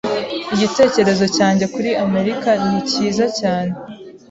Igitekerezo cyanjye kuri Amerika ni cyiza cyane.